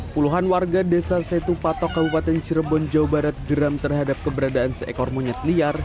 puluhan warga desa setupatok kabupaten cirebon jawa barat geram terhadap keberadaan seekor monyet liar